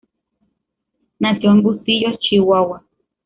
Nació en Bustillo, Chihuahua.